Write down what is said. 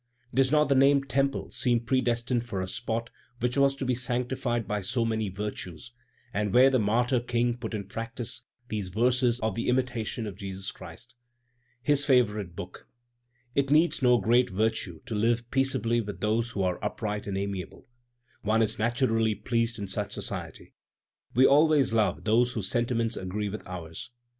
Does not the name Temple seem predestinated for a spot which was to be sanctified by so many virtues, and where the martyr King put in practice these verses of the Imitation of Jesus Christ, his favorite book: "It needs no great virtue to live peaceably with those who are upright and amiable; one is naturally pleased in such society; we always love those whose sentiments agree with ours.